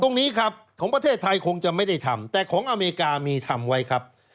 ตรงนี้ครับของประเทศไทยคงจะไม่ได้ทำแต่ของอเมริกามีทำไว้ครับ